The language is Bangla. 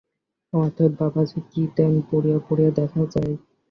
অতএব বাবাজী কি দেন, পড়িয়া পড়িয়া দেখা যাউক।